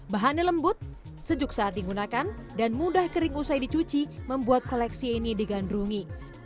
bahannya lembut sejuk saat digunakan dan mudah kering usai dicuci membuat koleksi ini digandrungi